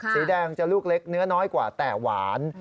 สีแดงจะลูกเล็กเนื้อน้อยกว่าแต่หวาน